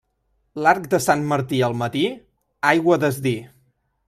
L'arc de Sant Martí al matí, aigua a desdir.